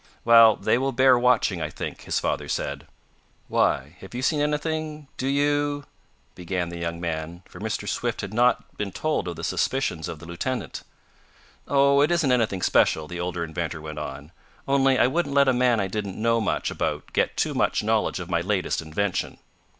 "Well, they will bear watching I think," his father said. "Why, have you seen anything do you " began the young man, for Mr. Swift had not been told of the suspicions of the lieutenant. "Oh, it isn't anything special," the older inventor went on. "Only I wouldn't let a man I didn't know much about get too much knowledge of my latest invention."